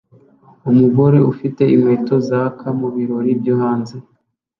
Umugore ufite inkweto zaka mu birori byo hanze